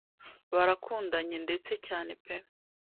barakundanye ndetse cyane pe